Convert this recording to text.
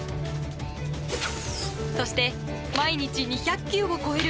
そして、毎日２００球を超える